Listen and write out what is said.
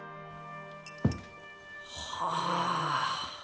はあ。